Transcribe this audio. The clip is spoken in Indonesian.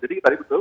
jadi tadi betul